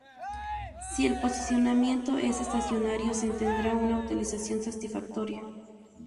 Si el posicionamiento es estacionario, se tendrá una utilización satisfactoria.